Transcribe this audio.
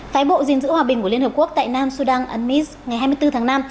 phái bộ giữ hòa bình của liên hợp quốc tại nam sudan unmiss ngày hai mươi bốn tháng năm